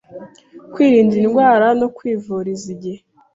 kwirinda indwara no kwivuriza igihe.